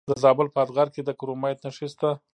د زابل په اتغر کې د کرومایټ نښې شته.